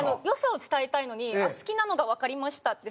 良さを伝えたいのに「好きなのがわかりました」